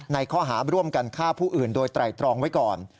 ในข้อหาร่วมกันฆ่าผู้อื่นโดยไตรตรองไว้ก่อน